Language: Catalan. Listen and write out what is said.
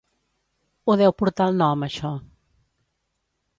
Ho deu portar el nom, això.